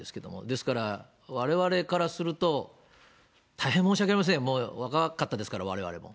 ですから、われわれからすると、大変申し訳ありません、若かったですから、われわれも。